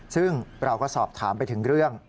ซึ่งเราก็สอบถามไปถึงเรื่อง